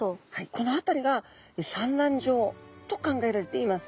この辺りが産卵場と考えられています。